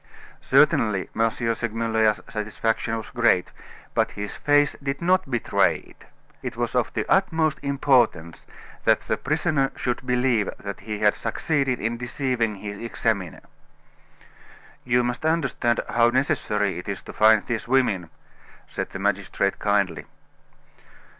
Certainly, M. Segmuller's satisfaction was great; but his face did not betray it. It was of the utmost importance that the prisoner should believe that he had succeeded in deceiving his examiner. "You must understand how necessary it is to find these women," said the magistrate kindly.